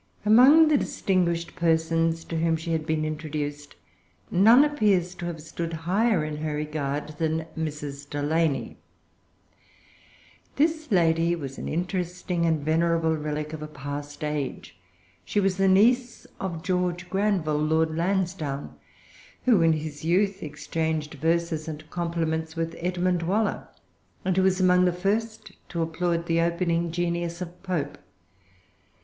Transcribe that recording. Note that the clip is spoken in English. Among the distinguished persons to whom she had been introduced, none appears to have stood higher in her regard than Mrs. Delany. This lady was an interesting and venerable relic of a past age. She was the niece of George Granville, Lord Lansdowne, who, in his youth, exchanged verses and compliments with Edmund Waller, and who was among the first to applaud the opening genius of Pope.